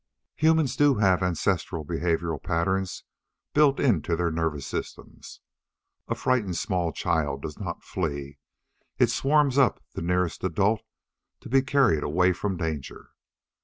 Humans do have ancestral behavior patterns built into their nervous systems. A frightened small child does not flee; it swarms up the nearest adult to be carried away from danger.